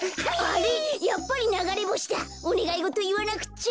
おねがいごといわなくっちゃ。